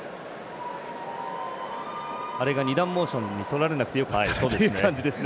あれが２段モーションにとられなくてよかったなという感じですね